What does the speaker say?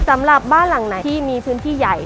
สำหรับบ้านหลังไหนที่มีพื้นที่ใหญ่